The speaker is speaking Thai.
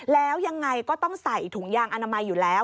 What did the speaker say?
แล้วยังไงก็ต้องใส่ถุงยางอนามัยอยู่แล้ว